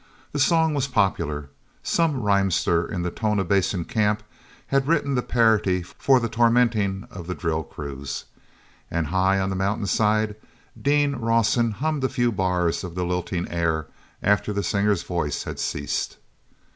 The song was popular; some rimester in the Tonah Basin camp had written the parody for the tormenting of the drill crews. And, high on the mountainside, Dean Rawson hummed a few bars of the lilting air after the singer's voice had ceased.